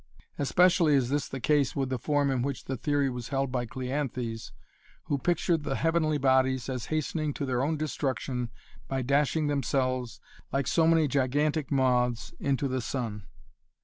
Especially is this the case with the form in which the theory was held by Cleanthes, who pictured the heavenly bodies as hastening to their own destruction by dashing themselves, like so many gigantic moths, into the sun.